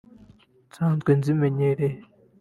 nsanzwe nzimenyereye